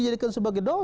terima kasih buddha